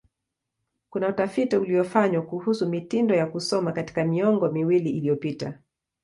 Kuna utafiti uliofanywa kuhusu mitindo ya kusoma katika miongo miwili iliyopita.